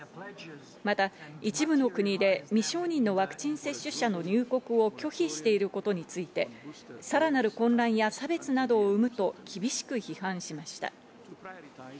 また、一部の国で未承認のワクチン接種者の入国を拒否していることについて、さらなる混乱や差別などを生むと厳しく批判しました。